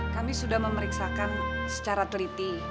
kami sudah memeriksakan secara teliti